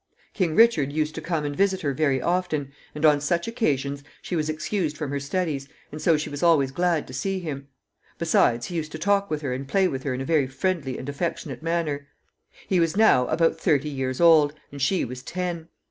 King Richard used to come and visit her very often, and on such occasions she was excused from her studies, and so she was always glad to see him; besides, he used to talk with her and play with her in a very friendly and affectionate manner. He was now about thirty years old, and she was ten.